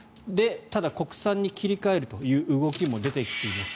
ただ、国産に切り替えるという動きも出てきています。